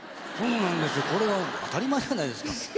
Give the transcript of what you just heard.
これは当たり前じゃないですか。